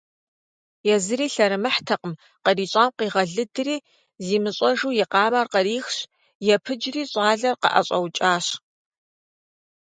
Езыри лъэрымыхьтэкъым, кърищӀам къигъэлыдри, зимыщӀэжу и къамэр кърихщ, епыджри щӏалэр къыӀэщӀэукӀащ.